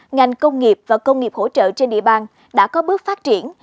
ngành công nghiệp và công nghiệp hỗ trợ trên địa bàn đã có bước phát triển